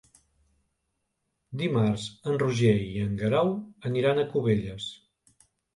Dimarts en Roger i en Guerau aniran a Cubelles.